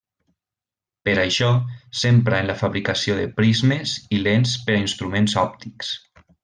Per això s'empra en la fabricació de prismes i lents per a instruments òptics.